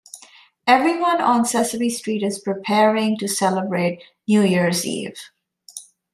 Everyone on Sesame Street is preparing to celebrate New Year's Eve.